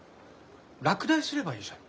落第すればいいじゃん。